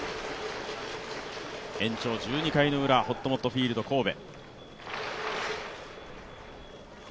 延長１２回ウラ、ほっともっとフィールド神戸。